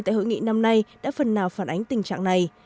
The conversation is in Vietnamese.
tại hội nghị năm nay đã phần nào phản ánh tình trạng này